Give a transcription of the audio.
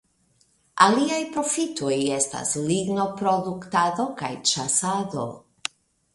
Aliaj profitoi estas lignoproduktado kaj ĉasado.